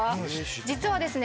実はですね